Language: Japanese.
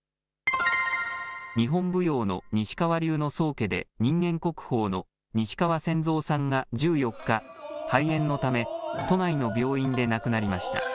日本舞踊の西川流の宗家で、人間国宝の西川扇藏さんが１４日、肺炎のため都内の病院で亡くなりました。